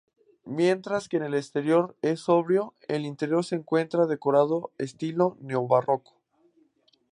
Mientras que el exterior es sobrio, el interior se encuentra decorado en estilo neobarroco.